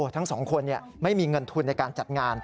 ทั้งสองคนไม่มีเงินทุนในการจัดงาน